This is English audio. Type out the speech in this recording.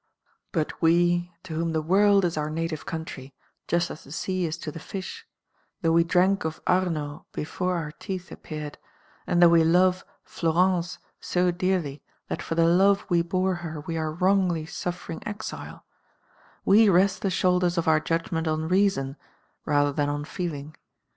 But wc, to whom t' • world is our native country, just as the sea is t the fish, though we drank of Arno before our teeth appeared, and though we love [203 Florence so dearly that for the love wc bore her we are wrongfully suffering exile — we rest the shoulders of our judgment on reason rather than on feeling.